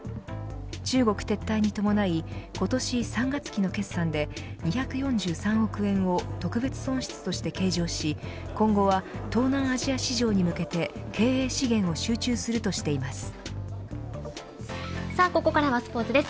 中国撤退に伴い今年３月期の決算で２４３億円を特別損失として計上し今後は、東南アジア市場に向けて経営資源を集中するとここからはスポーツです。